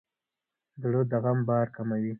زړه د غم بار کموي.